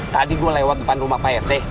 tadi gue lewat depan rumah pak rt